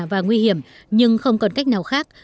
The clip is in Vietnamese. và nguy hiểm nhưng không còn cách nào khác